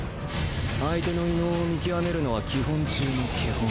相手の異能を見極めるのは基本中の基本。